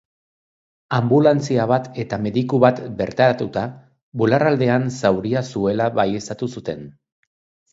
Anbulantzia bat eta mediku bat bertaratuta, bularraldean zauria zuela baieztatu zuten.